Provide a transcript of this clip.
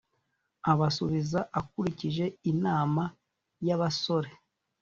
Abasubiza akurikije inama y’abasore